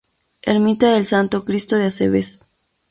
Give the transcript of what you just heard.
Ermita del Santo Cristo de Acebes.